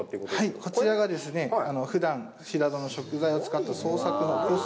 はい、こちらがですね、ふだん、平戸の食材を使った創作のコース